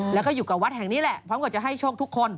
แล้วก็อยู่กับวัดแห่งนี้แหละพร้อมกับจะให้โชคทุกคน